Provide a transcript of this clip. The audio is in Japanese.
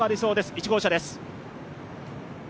１号車です。